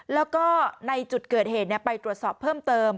แล้วก็ในจุดเกิดเหตุไปตรวจสอบเพิ่มเติม